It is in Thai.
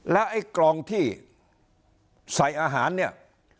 แล้วไอ้กลองที่ใส่อาหารเนี่ย